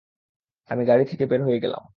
আমি গাড়ি থেকে বের হয়ে গেলাম।